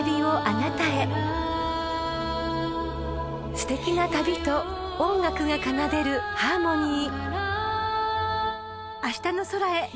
［すてきな旅と音楽が奏でるハーモニー］